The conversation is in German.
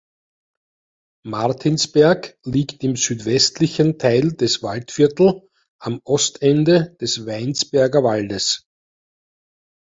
Martinsberg liegt im südwestlichen Teil des Waldviertel am Ostende des Weinsberger Waldes.